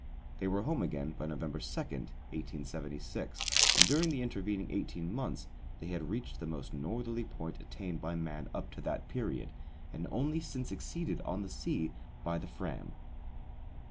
They were home again by November 2, 1876, and during the intervening eighteen months they had reached the most northerly point attained by man up to that period, and only since exceeded, on the sea, by the Fram.